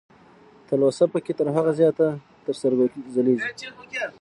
تلوسه پکې تر هر څه زياته تر سترګو ځلېږي